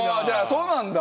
そうなんだ！